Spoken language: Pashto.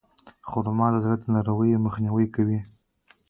خرما د زړه د ناروغیو مخنیوی کوي.